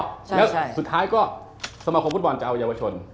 แล้วสุดท้ายก็สมาคมฟุตบอลจะเอาเยาวชน